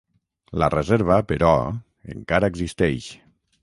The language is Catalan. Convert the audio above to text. La reserva, però, encara existeix.